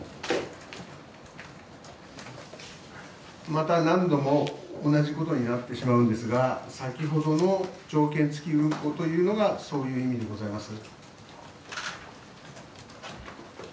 また何度も同じことになってしまうんですが先ほどの条件付き運航というのがそういう意味でございます。